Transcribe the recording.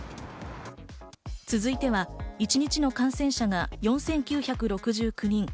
続いては一日の感染者が４９６９人。